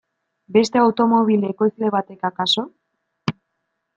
Beste automobil ekoizle batek akaso?